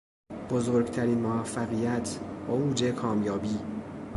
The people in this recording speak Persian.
بزرگترین موفقیت، اوج کامیابی